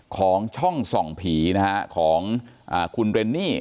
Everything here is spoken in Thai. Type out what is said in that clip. ของช่องส่องผีนะฮะของคุณเรนนี่